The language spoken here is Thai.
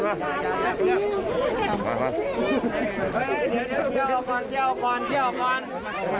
ก่อนให้ทับแผนก่อนทับแผนก่อนเดี๋ยวก่อนเดี๋ยวก่อนเดี๋ยวก่อน